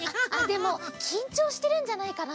でもきんちょうしてるんじゃないかな？